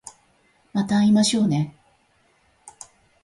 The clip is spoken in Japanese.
また会いましょうね